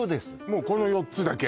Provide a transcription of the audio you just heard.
もうこの４つだけ？